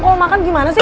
kalau makan gimana sih